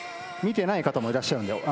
見てない方もいらっしゃるんで。